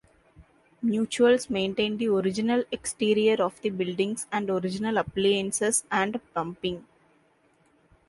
Mutuals maintain the original exterior of the buildings and original appliances and plumbing.